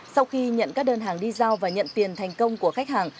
sau khi nhận các đơn hàng đi giao và nhận tiền thành công của khách hàng